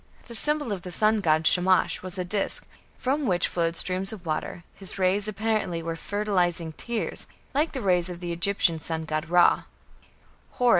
The symbol of the sun god Shamash was a disc, from which flowed streams of water; his rays apparently were "fertilizing tears", like the rays of the Egyptian sun god Ra.